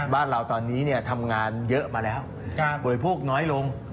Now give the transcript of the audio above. บ้านเราตอนนี้ทำงานเยอะมาแล้วบริโภคน้อยลง